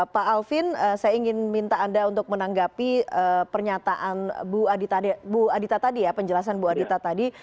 pak alvin saya ingin minta anda untuk menanggapi pernyataan bu adita tadi ya penjelasan bu adita tadi